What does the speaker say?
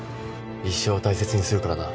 一生大切にするからな。